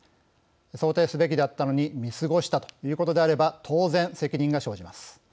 想定すべきであったのに見過ごしたということであれば当然責任が生じます。